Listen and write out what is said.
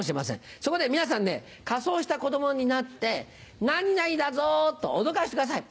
そこで皆さん仮装した子供になって「何々だぞ」と脅かしてください。